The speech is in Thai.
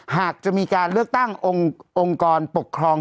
หากจะมีการเลือกตั้งองค์กรปกครอง